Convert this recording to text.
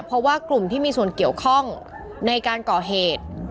เพราะว่ากลุ่มที่มีส่วนเกี่ยวข้องในการก่อเหตุ